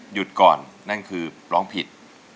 หยุดก่อนนั่นคือร้องผิด